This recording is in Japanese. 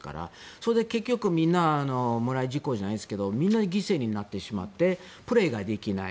それで結局みんなもらい事故じゃないけどみんな犠牲になってしまってプレーができない。